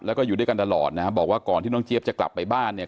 แล้วก็อยู่ด้วยกันตลอดนะฮะบอกว่าก่อนที่น้องเจี๊ยบจะกลับไปบ้านเนี่ย